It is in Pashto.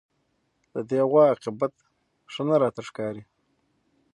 د دې غوا عاقبت ښه نه راته ښکاري